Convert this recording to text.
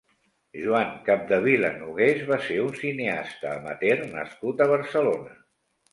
Joan Capdevila Nogués va ser un cineasta amateur nascut a Barcelona.